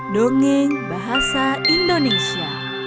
dongeng bahasa indonesia